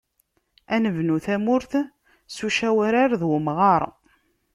Ad nebnu tamurt, s ucawrar d umɣaṛ.